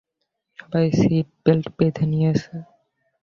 সবাই seat belt বেঁধে নিয়েছে।